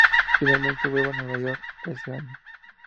Finalmente vuelve a Nueva York ese año.